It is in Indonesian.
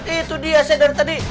itu dia saya bilang tadi